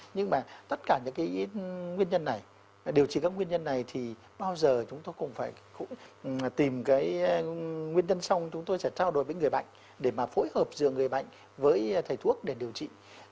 nhưng mà tất cả những cái nguyên nhân này điều trị các nguyên nhân này thì bao giờ chúng tôi cũng phải tìm cái nguyên nhân xong chúng tôi sẽ trao đổi với người bệnh để mà phối hợp giữa người bệnh với thầy thuốc để điều trị